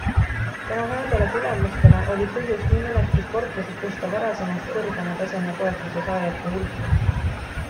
Tänu headele tulemustele oli põhjust nii mõnedki sportlased tõsta varasemast kõrgema taseme toetuse saajate hulka.